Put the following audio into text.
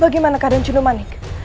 bagaimana keadaan cundomanik